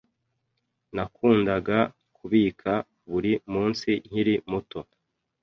Nakundaga kubika buri munsi nkiri muto